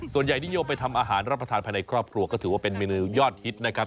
นิยมไปทำอาหารรับประทานภายในครอบครัวก็ถือว่าเป็นเมนูยอดฮิตนะครับ